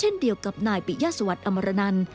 นายปิยสวัสดิ์อมรนันท์